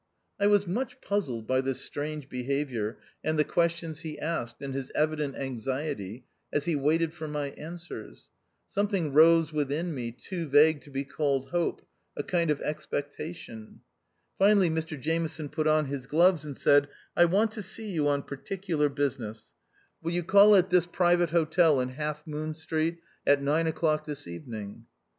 I was much puzzled by this strange be haviour, and the questions he asked, and his evident anxiety, as he waited for my answers. Something rose within me, too vague to be called hope ; a kind of expec tation. Finally, Mr Jameson put on his gloves, and said, " I want to see you on particular business ; will you call at 's Private Hotel in Half Moon Street, at nine o'clock this evening."